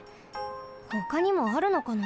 ほかにもあるのかな？